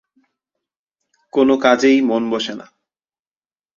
কোনো কাজেই মন বসে না।